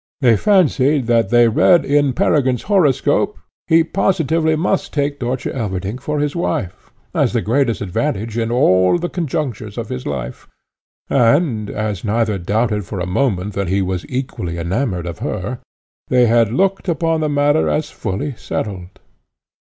They fancied that they read in Peregrine's horoscope, he positively must take Dörtje Elverdink for his wife, as the greatest advantage in all the conjunctures of his life, and, as neither doubted for a moment that he was equally enamoured of her, they had looked upon the matter as fully settled.